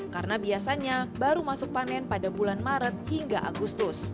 karena biasanya baru masuk panen pada bulan maret hingga agustus